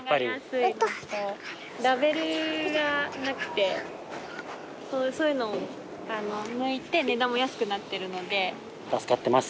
ラベルがなくてそういうのも抜いて値段も安くなってるので。